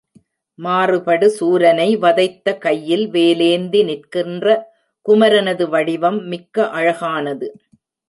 மாறுபடு சூரனை வதைத்த கையில் வேலேந்தி நிற்கின்ற குமரனது வடிவம் மிக்க அழகானது.